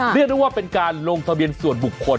เรียกได้ว่าเป็นการลงทะเบียนส่วนบุคคล